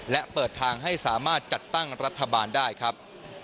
และเปิดทางให้สามารถจัดตั้งรัฐบาลได้ครับ